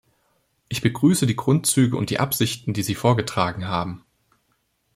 Ich begrüße die Grundzüge und die Absichten, die Sie vorgetragen haben.